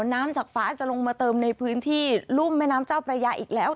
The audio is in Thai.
น้ำจากฟ้าจะลงมาเติมในพื้นที่รุ่มแม่น้ำเจ้าพระยาอีกแล้ว